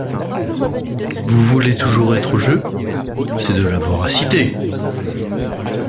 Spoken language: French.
Vous voulez toujours être au jeu… c’est de la voracité !